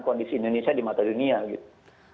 kondisi indonesia di mata dunia gitu